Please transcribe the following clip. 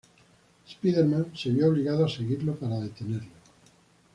Spider-Man se vio obligado a seguirlo para detenerlo.